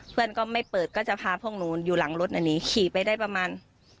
เพื่อนก็ไม่เปิดก็จะพาพวกหนูอยู่หลังรถอันนี้ขี่ไปได้ประมาณ